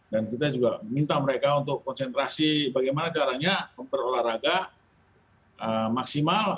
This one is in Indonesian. dan kita juga minta mereka untuk konsentrasi bagaimana caranya berolahraga maksimal